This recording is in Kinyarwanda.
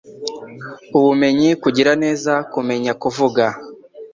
Ubumenyi, kugira neza, kumenya kuvuga,